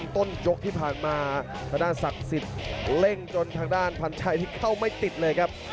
ต้นยกที่ผ่านมาทางด้านศักดิ์สิทธิ์เร่งจนทางด้านพันชัยนี่เข้าไม่ติดเลยครับ